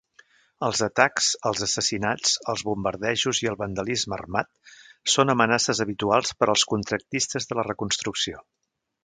Els atacs, els assassinats, els bombardejos i el vandalisme armat són amenaces habituals per als contractistes de la reconstrucció.